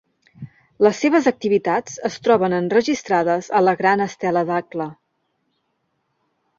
Les seves activitats es troben enregistrades a la Gran Estela Dakhla.